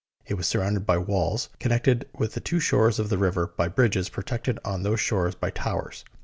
It was sur rounded by walls connected with the two shores of the river by bridges protected on those shores by towers.